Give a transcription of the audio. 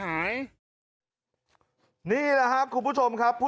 ทำไมคงคืนเขาว่าทำไมคงคืนเขาว่า